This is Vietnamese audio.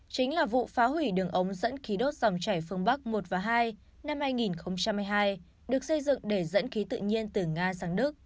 chính là vụ phá hủy đường ống dẫn khí đốt dòng chảy phương bắc một và hai năm hai nghìn một mươi hai được xây dựng để dẫn khí tự nhiên từ nga sang đức